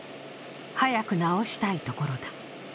早く直したいところだ。